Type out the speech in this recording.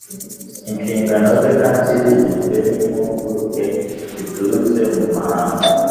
Inshingano ze kandi zigizwe n’impuguke ziturutse mu mahanga